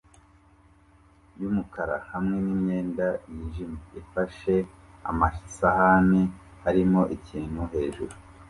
yumukara hamwe nimyenda yijimye ifashe amasahani arimo ikintu hejuru